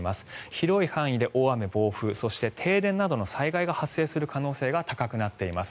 広い範囲で大雨、暴風そして停電などの災害が発生する可能性が高くなっています。